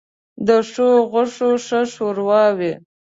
ـ د ښو غوښو ښه ښوروا وي.